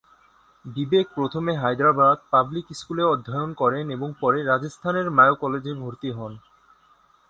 বিবেক প্রথমে হায়দ্রাবাদ পাবলিক স্কুলে অধ্যয়ন করেন এবং পরে রাজস্থানের মায়ো কলেজে ভর্তি হন।